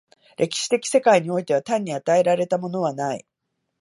歴史的世界においては単に与えられたものはない。